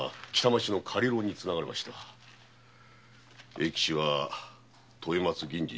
永吉は豊松銀次